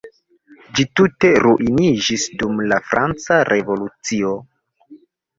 Ĝi tute ruiniĝis dum la franca revolucio.